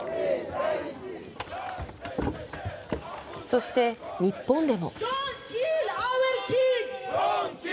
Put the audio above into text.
そして日本でも。